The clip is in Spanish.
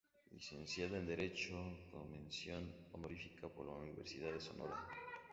Licenciada en Derecho con mención honorífica por la Universidad de Sonora.